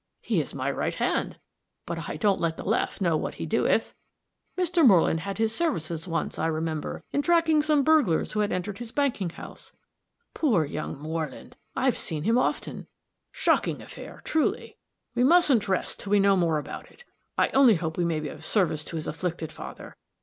He is my right hand, but I don't let the left know what he doeth. Mr. Moreland had his services once, I remember, in tracking some burglars who had entered his banking house. Poor young Moreland! I've seen him often! Shocking affair, truly. We mustn't rest till we know more about it. I only hope we may be of service to his afflicted father.